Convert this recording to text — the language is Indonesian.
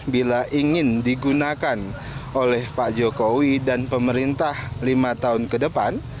bila ingin digunakan oleh pak jokowi dan pemerintah lima tahun ke depan